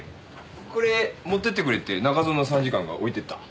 これ持ってってくれって中園参事官が置いてった。